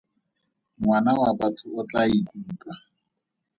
Ngwana wa batho o tla ikutlwa.